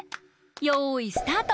よいスタート！